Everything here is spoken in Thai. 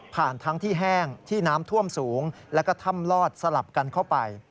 ทั้งที่แห้งที่น้ำท่วมสูงแล้วก็ถ้ำลอดสลับกันเข้าไป